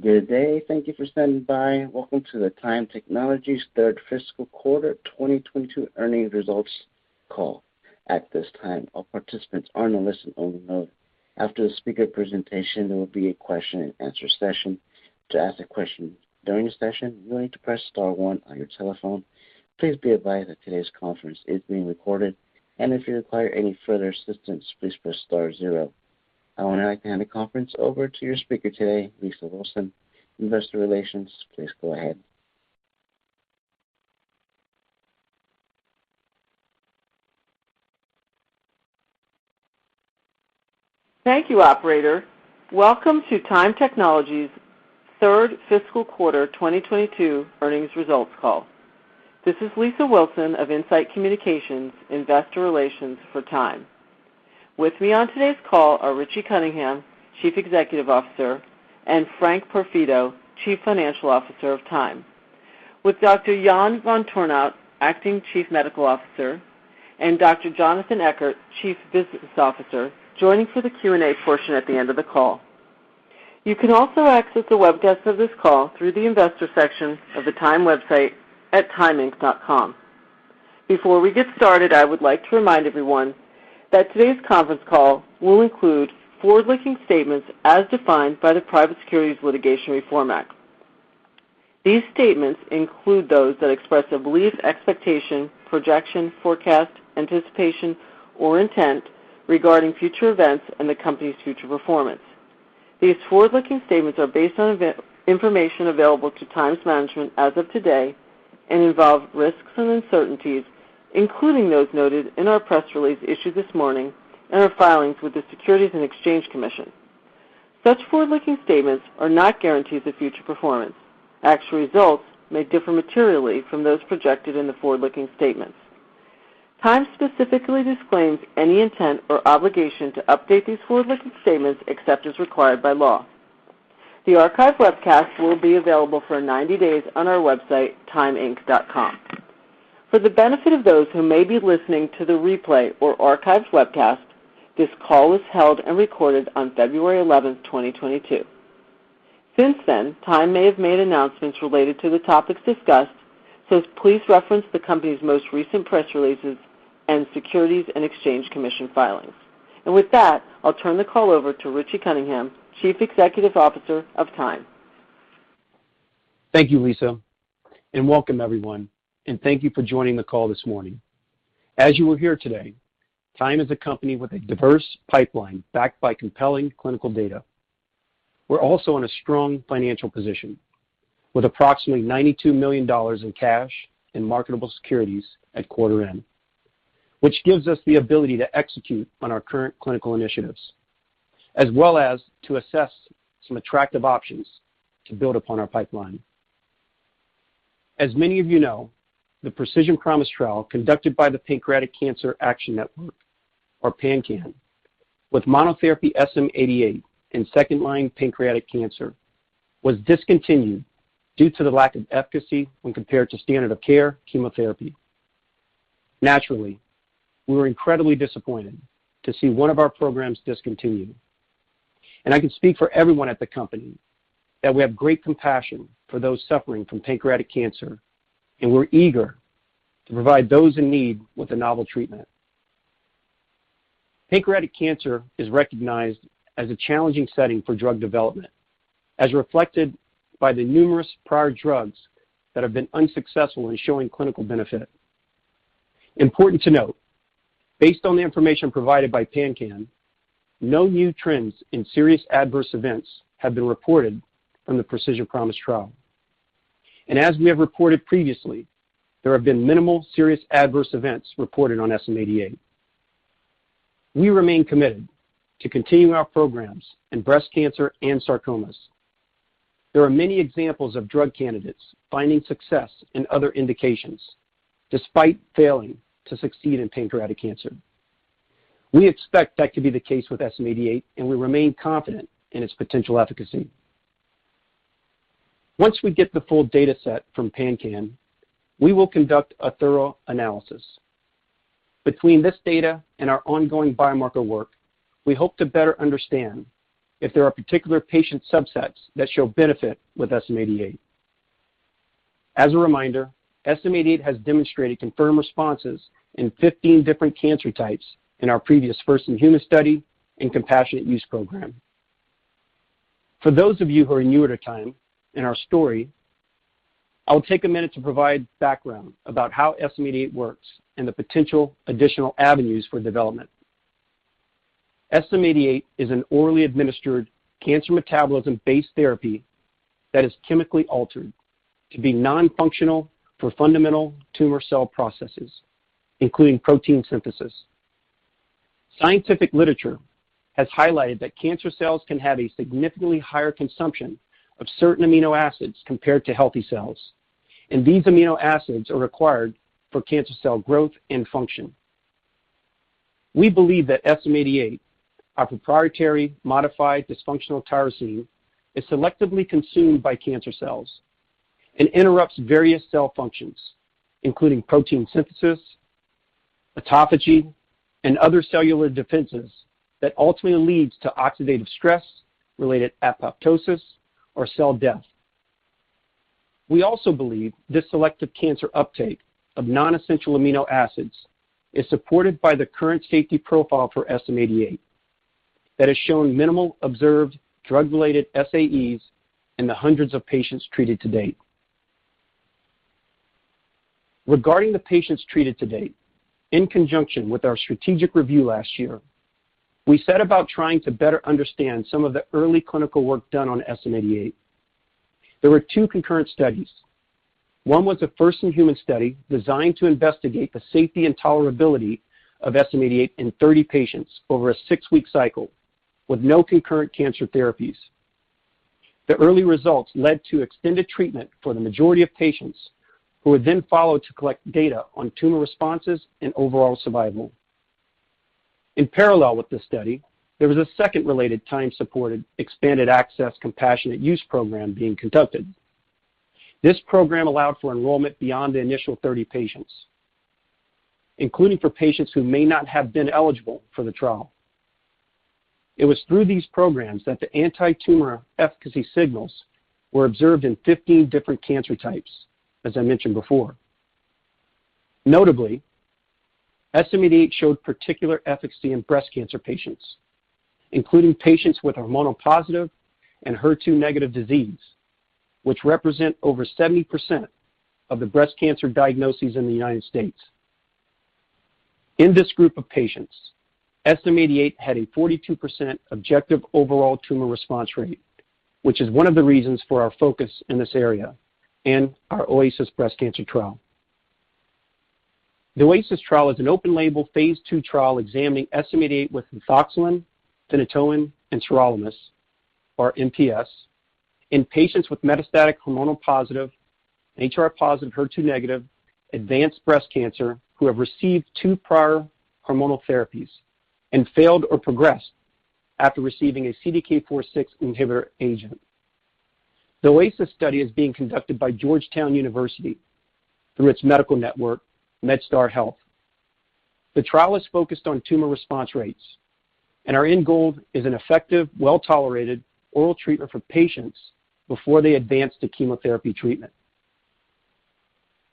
Good day. Thank you for standing by. Welcome to the TYME Technologies third fiscal quarter 2022 earnings results call. At this time, all participants are on a listen-only mode. After the speaker presentation, there will be a question and answer session. To ask a question during the session, you will need to press star one on your telephone. Please be advised that today's conference is being recorded, and if you require any further assistance, please press star zero. I would like to hand the conference over to your speaker today, Lisa Wilson, Investor Relations. Please go ahead. Thank you, operator. Welcome to TYME Technologies third fiscal quarter 2022 earnings results call. This is Lisa M. Wilson of In-Site Communications, investor relations for TYME. With me on today's call are Richie Cunningham, Chief Executive Officer, and Frank L. Porfido, Chief Financial Officer of TYME, with Dr. Jan Van Tornout, Acting Chief Medical Officer, and Dr. Jonathan Eckard, Chief Business Officer, joining for the Q&A portion at the end of the call. You can also access the webcast of this call through the investor section of the TYME website at tymeinc.com. Before we get started, I would like to remind everyone that today's conference call will include forward-looking statements as defined by the Private Securities Litigation Reform Act. These statements include those that express a belief, expectation, projection, forecast, anticipation, or intent regarding future events and the company's future performance. These forward-looking statements are based on available information available to TYME's management as of today and involve risks and uncertainties, including those noted in our press release issued this morning and our filings with the Securities and Exchange Commission. Such forward-looking statements are not guarantees of future performance. Actual results may differ materially from those projected in the forward-looking statements. TYME specifically disclaims any intent or obligation to update these forward-looking statements except as required by law. The archive webcast will be available for 90 days on our website, tymeinc.com. For the benefit of those who may be listening to the replay or archived webcast, this call was held and recorded on February 11, 2022. Since then, TYME may have made announcements related to the topics discussed, so please reference the company's most recent press releases and Securities and Exchange Commission filings. With that, I'll turn the call over to Richie Cunningham, Chief Executive Officer of TYME Technologies. Thank you, Lisa, and welcome everyone, and thank you for joining the call this morning. As you will hear today, TYME is a company with a diverse pipeline backed by compelling clinical data. We're also in a strong financial position with approximately $92 million in cash and marketable securities at quarter-end, which gives us the ability to execute on our current clinical initiatives as well as to assess some attractive options to build upon our pipeline. As many of you know, the Precision Promise trial conducted by the Pancreatic Cancer Action Network, or PanCAN, with monotherapy SM-88 in second-line pancreatic cancer was discontinued due to the lack of efficacy when compared to standard-of-care chemotherapy. Naturally, we were incredibly disappointed to see one of our programs discontinued, and I can speak for everyone at the company that we have great compassion for those suffering from pancreatic cancer, and we're eager to provide those in need with a novel treatment. Pancreatic cancer is recognized as a challenging setting for drug development, as reflected by the numerous prior drugs that have been unsuccessful in showing clinical benefit. Important to note, based on the information provided by PanCAN, no new trends in serious adverse events have been reported from the Precision Promise Trial. As we have reported previously, there have been minimal serious adverse events reported on SM-88. We remain committed to continuing our programs in breast cancer and sarcomas. There are many examples of drug candidates finding success in other indications despite failing to succeed in pancreatic cancer. We expect that to be the case with SM-88, and we remain confident in its potential efficacy. Once we get the full data set from PanCAN, we will conduct a thorough analysis. Between this data and our ongoing biomarker work, we hope to better understand if there are particular patient subsets that show benefit with SM-88. As a reminder, SM-88 has demonstrated confirmed responses in 15 different cancer types in our previous first-in-human study and compassionate use program. For those of you who are newer to TYME and our story, I will take a minute to provide background about how SM-88 works and the potential additional avenues for development. SM-88 is an orally administered cancer metabolism-based therapy that is chemically altered to be non-functional for fundamental tumor cell processes, including protein synthesis. Scientific literature has highlighted that cancer cells can have a significantly higher consumption of certain amino acids compared to healthy cells, and these amino acids are required for cancer cell growth and function. We believe that SM-88, our proprietary modified dysfunctional tyrosine, is selectively consumed by cancer cells and interrupts various cell functions, including protein synthesis, autophagy, and other cellular defenses that ultimately leads to oxidative stress-related apoptosis or cell death. We also believe this selective cancer uptake of non-essential amino acids is supported by the current safety profile for SM-88 that has shown minimal observed drug-related SAEs in the hundreds of patients treated to date. Regarding the patients treated to date, in conjunction with our strategic review last year, we set about trying to better understand some of the early clinical work done on SM-88. There were two concurrent studies. One was a first-in-human study designed to investigate the safety and tolerability of SM-88 in 30 patients over a six-week cycle with no concurrent cancer therapies. The early results led to extended treatment for the majority of patients who were then followed to collect data on tumor responses and overall survival. In parallel with this study, there was a second related TYME-supported expanded access compassionate use program being conducted. This program allowed for enrollment beyond the initial 30 patients, including for patients who may not have been eligible for the trial. It was through these programs that the antitumor efficacy signals were observed in 15 different cancer types, as I mentioned before. Notably, SM-88 showed particular efficacy in breast cancer patients, including patients with hormone-positive and HER2-negative disease, which represent over 70% of the breast cancer diagnoses in the United States. In this group of patients, SM-88 had a 42% objective overall tumor response rate, which is one of the reasons for our focus in this area and our OASIS breast cancer trial. The OASIS trial is an open-label phase II trial examining SM-88 with methoxsalen, phenytoin, and sirolimus, or MPS, in patients with metastatic hormone positive, HR-positive, HER2 negative advanced breast cancer who have received two prior hormonal therapies and failed or progressed after receiving a CDK4/6 inhibitor agent. The OASIS study is being conducted by Georgetown University through its medical network, MedStar Health. The trial is focused on tumor response rates, and our end goal is an effective, well-tolerated oral treatment for patients before they advance to chemotherapy treatment.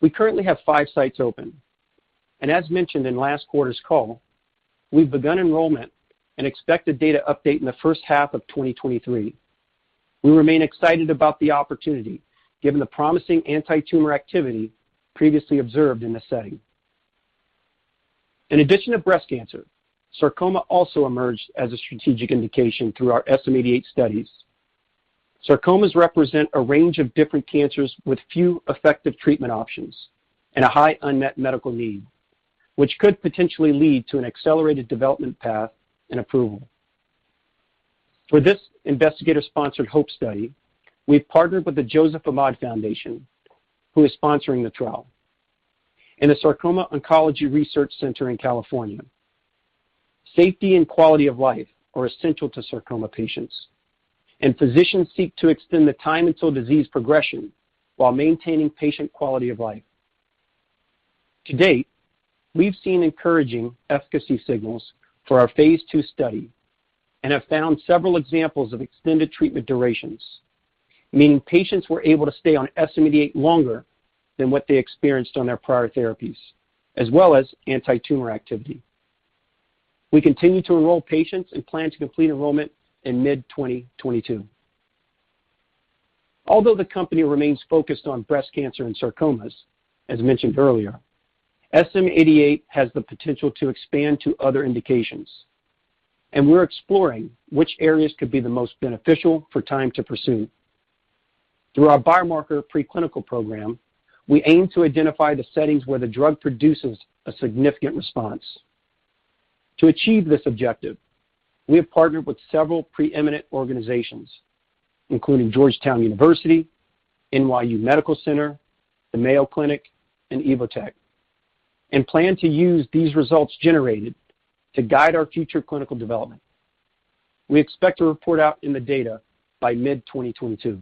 We currently have five sites open, and as mentioned in last quarter's call, we've begun enrollment and expect a data update in the first half of 2023. We remain excited about the opportunity, given the promising antitumor activity previously observed in this setting. In addition to breast cancer, sarcoma also emerged as a strategic indication through our SM-88 studies. Sarcomas represent a range of different cancers with few effective treatment options and a high unmet medical need, which could potentially lead to an accelerated development path and approval. For this investigator-sponsored HopES study, we've partnered with the Joseph A. Ehed Foundation, who is sponsoring the trial, and the Sarcoma Oncology Center in California. Safety and quality of life are essential to sarcoma patients, and physicians seek to extend the time until disease progression while maintaining patient quality of life. To date, we've seen encouraging efficacy signals for our phase II study and have found several examples of extended treatment durations, meaning patients were able to stay on SM-88 longer than what they experienced on their prior therapies, as well as antitumor activity. We continue to enroll patients and plan to complete enrollment in mid-2022. Although the company remains focused on breast cancer and sarcomas, as mentioned earlier, SM-88 has the potential to expand to other indications, and we're exploring which areas could be the most beneficial for TYME to pursue. Through our biomarker preclinical program, we aim to identify the settings where the drug produces a significant response. To achieve this objective, we have partnered with several preeminent organizations, including Georgetown University, NYU Medical Center, the Mayo Clinic, and Evotec, and plan to use these results generated to guide our future clinical development. We expect to report out in the data by mid-2022.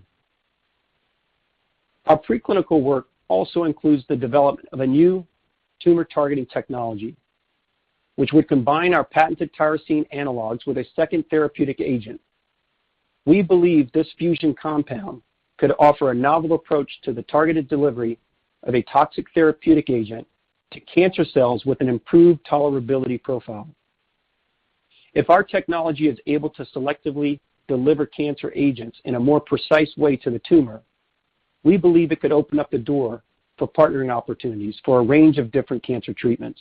Our preclinical work also includes the development of a new tumor-targeting technology, which would combine our patented tyrosine analogs with a second therapeutic agent. We believe this fusion compound could offer a novel approach to the targeted delivery of a toxic therapeutic agent to cancer cells with an improved tolerability profile. If our technology is able to selectively deliver cancer agents in a more precise way to the tumor, we believe it could open up the door for partnering opportunities for a range of different cancer treatments.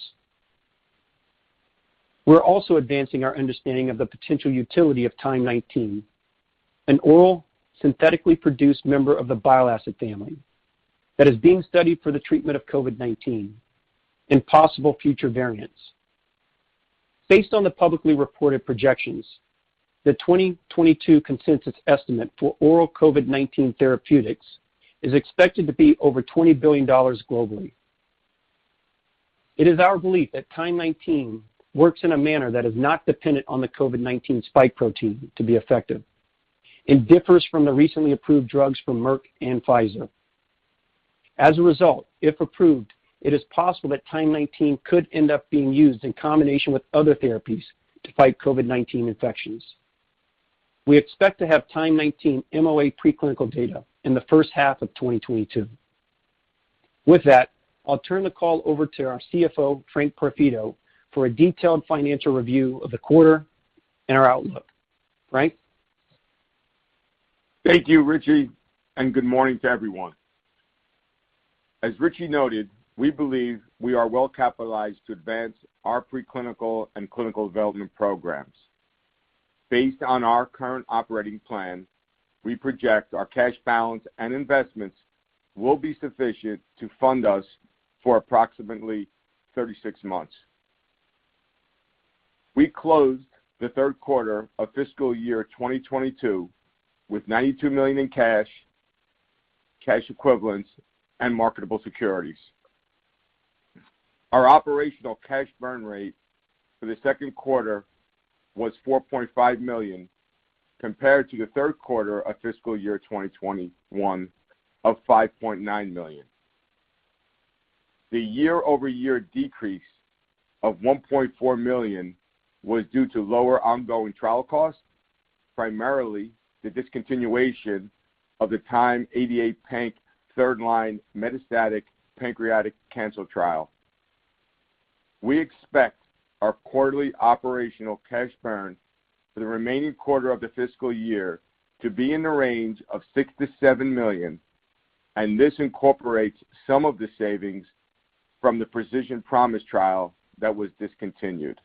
We're also advancing our understanding of the potential utility of TYME-19, an oral synthetically produced member of the bile acid family that is being studied for the treatment of COVID-19 and possible future variants. Based on the publicly reported projections, the 2022 consensus estimate for oral COVID-19 therapeutics is expected to be over $20 billion globally. It is our belief that TYME-19 works in a manner that is not dependent on the COVID-19 spike protein to be effective. It differs from the recently approved drugs from Merck and Pfizer. As a result, if approved, it is possible that TYME-19 could end up being used in combination with other therapies to fight COVID-19 infections. We expect to have TYME-19 MOA preclinical data in the first half of 2022. With that, I'll turn the call over to our CFO, Frank L. Porfido, for a detailed financial review of the quarter and our outlook. Frank? Thank you, Richie, and good morning to everyone. As Richie noted, we believe we are well-capitalized to advance our preclinical and clinical development programs. Based on our current operating plan, we project our cash balance and investments will be sufficient to fund us for approximately 36 months. We closed the third quarter of fiscal year 2022 with $92 million in cash equivalents, and marketable securities. Our operational cash burn rate for the second quarter was $4.5 million, compared to the third quarter of fiscal year 2021 of $5.9 million. The year-over-year decrease of $1.4 million was due to lower ongoing trial costs, primarily the discontinuation of the TYME-88-panc third-line metastatic pancreatic cancer trial. We expect our quarterly operational cash burn for the remaining quarter of the fiscal year to be in the range of $6 million-$7 million, and this incorporates some of the savings from the Precision Promise trial that was discontinued.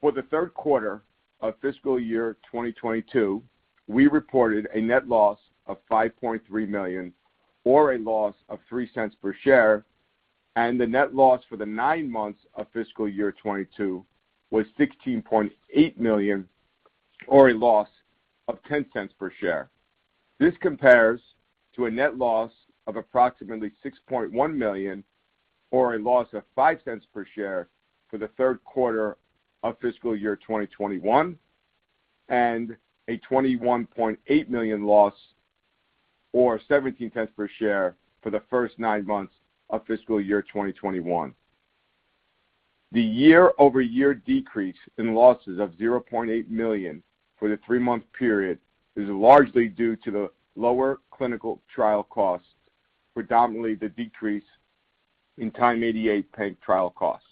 For the third quarter of fiscal year 2022, we reported a net loss of $5.3 million or a loss of $0.03 per share, and the net loss for the nine months of fiscal year 2022 was $16.8 million or a loss of $0.10 per share. This compares to a net loss of approximately $6.1 million or a loss of $0.05 per share for the third quarter of fiscal year 2021, and a $21.8 million loss or $0.17 per share for the first nine months of fiscal year 2021. The year-over-year decrease in losses of $0.8 million for the three-month period is largely due to the lower clinical trial costs, predominantly the decrease in TYME-88-panc trial costs.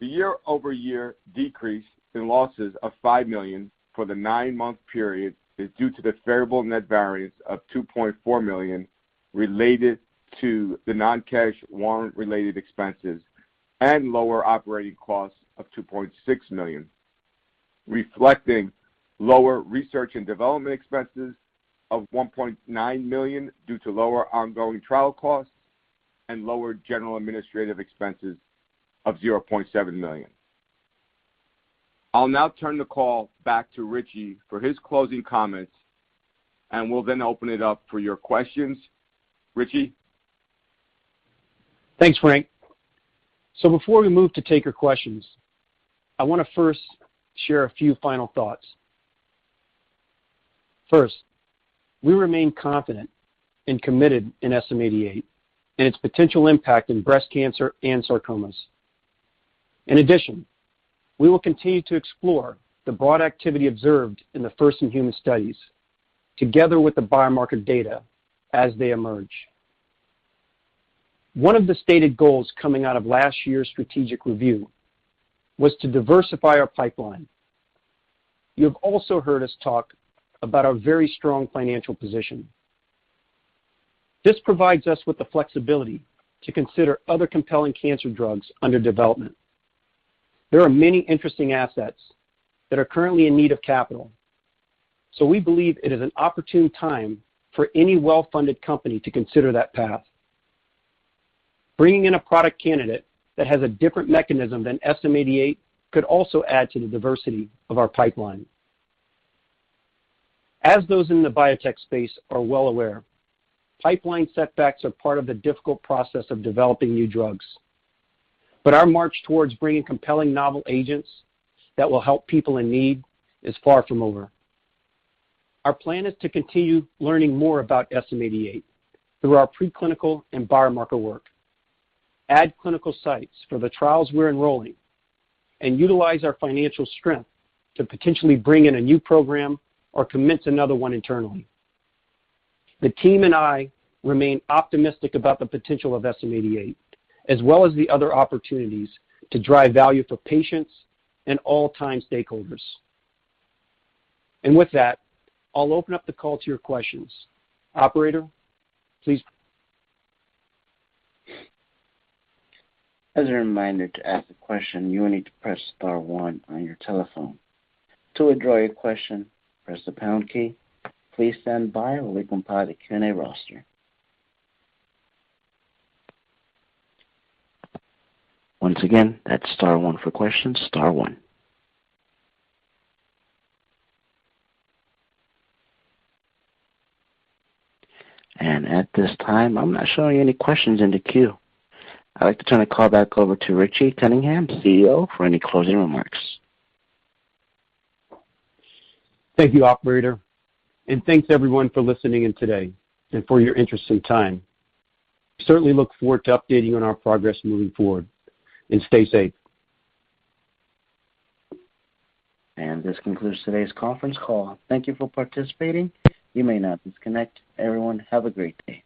The year-over-year decrease in losses of $5 million for the nine-month period is due to the favorable net variance of $2.4 million related to the non-cash warrant-related expenses and lower operating costs of $2.6 million, reflecting lower research and development expenses of $1.9 million due to lower ongoing trial costs and lower general administrative expenses of $0.7 million. I'll now turn the call back to Richie for his closing comments, and we'll then open it up for your questions. Richie? Thanks, Frank. Before we move to take your questions, I wanna first share a few final thoughts. First, we remain confident and committed in SM-88 and its potential impact in breast cancer and sarcomas. In addition, we will continue to explore the broad activity observed in the first in human studies together with the biomarker data as they emerge. One of the stated goals coming out of last year's strategic review was to diversify our pipeline. You have also heard us talk about our very strong financial position. This provides us with the flexibility to consider other compelling cancer drugs under development. There are many interesting assets that are currently in need of capital. We believe it is an opportune time for any well-funded company to consider that path. Bringing in a product candidate that has a different mechanism than SM-88 could also add to the diversity of our pipeline. As those in the biotech space are well aware, pipeline setbacks are part of the difficult process of developing new drugs. Our march towards bringing compelling novel agents that will help people in need is far from over. Our plan is to continue learning more about SM-88 through our preclinical and biomarker work, add clinical sites for the trials we're enrolling, and utilize our financial strength to potentially bring in a new program or commence another one internally. The team and I remain optimistic about the potential of SM-88, as well as the other opportunities to drive value for patients and TYME stakeholders. With that, I'll open up the call to your questions. Operator, please. As a reminder, to ask a question, you will need to press star one on your telephone. To withdraw your question, press the pound key. Please stand by while we compile the Q&A roster. Once again, that's star one for questions, star one. At this time, I'm not showing any questions in the queue. I'd like to turn the call back over to Richie Cunningham, CEO, for any closing remarks. Thank you, operator. Thanks everyone for listening in today and for your interest and time. We certainly look forward to updating on our progress moving forward, and stay safe. This concludes today's conference call. Thank you for participating. You may now disconnect. Everyone, have a great day.